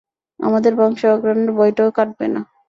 আমাদের বংশে অঘ্রানের ভয়টাও কাটবে না।